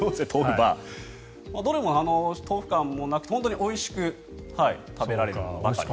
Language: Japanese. どれも豆腐感もなく本当においしく食べられる。